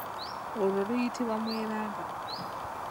Olwo luyitibwa mweranga.